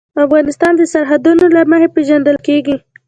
افغانستان د سرحدونه له مخې پېژندل کېږي.